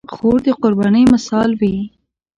خور د قربانۍ مثال وي.